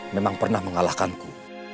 memang pernah mengalahkanku